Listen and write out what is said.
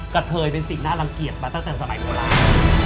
กระเทยเป็นสิ่งน่ารังเกียจมาตั้งแต่สมัยโบราณ